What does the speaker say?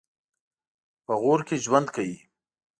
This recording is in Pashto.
په غور کې ژوند کوي.